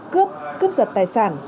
cướp cướp giật tài sản